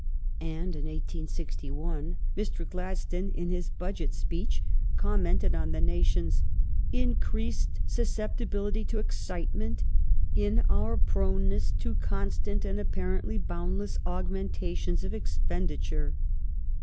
And in 1861, Mr. Gladstone, in his Budget speech, commented on the nation's increased susceptibihty to excitement, in our proneness to constant and apparently boundless augmentations of expenditure."